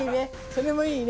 それもいいね。